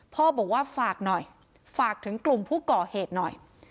พ่อบอกว่าฝากหน่อยฝากถึงกลุ่มผู้ก่อเหตุหน่อย